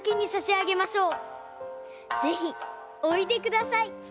ぜひおいでください。